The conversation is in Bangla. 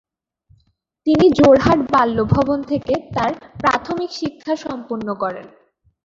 তিনি "যোরহাট বাল্য ভবন" থেকে তার প্রাথমিক শিক্ষা সম্পন্ন করেন।